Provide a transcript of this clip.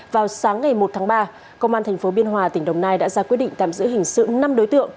vào sáng ngày một tháng ba công an tp biên hòa tỉnh đồng nai đã ra quyết định tạm giữ hình sự năm đối tượng